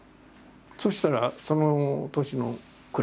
そしたらその年の暮れ。